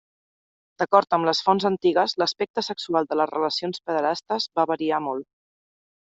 D'acord amb les fonts antigues l'aspecte sexual de les relacions pederastes va variar molt.